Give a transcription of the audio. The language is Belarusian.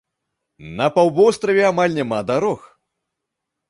На паўвостраве амаль няма дарог.